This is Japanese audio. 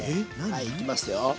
はいいきますよ。